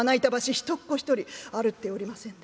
人っ子一人歩っておりませんで。